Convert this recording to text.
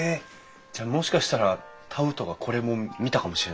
じゃあもしかしたらタウトがこれも見たかもしれないってことですか？